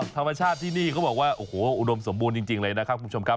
ธรรมชาติที่นี่เขาบอกว่าโอ้โหอุดมสมบูรณ์จริงเลยนะครับคุณผู้ชมครับ